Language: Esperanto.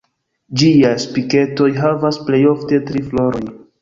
Ĝiaj Spiketoj havas plej ofte tri floroj.